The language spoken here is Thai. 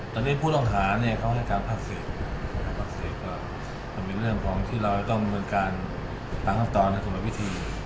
ตอนนี้ผู้ต้องหาเขาให้การภาษกก็เป็นเรื่องที่เราจะต้องเหมือนกันตามกันตอนในส่วนประวัติวิธี